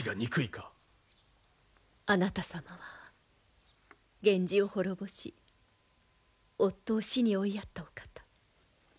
あなた様は源氏を滅ぼし夫を死に追いやったお方。